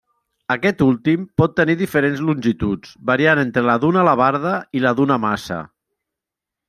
Aquest últim pot tenir diferents longituds, variant entre la d'una alabarda i la d'una maça.